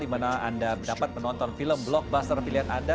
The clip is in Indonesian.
dimana anda dapat menonton film blockbuster pilihan anda